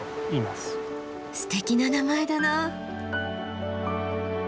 すてきな名前だな！